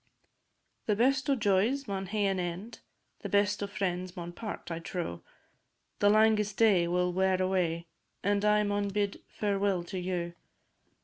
The best o' joys maun hae an end, The best o' friends maun part, I trow; The langest day will wear away, And I maun bid fareweel to you.